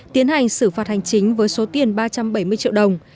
tiến hành xử phạt hành chính với số tiền ba trăm bảy mươi triệu đồng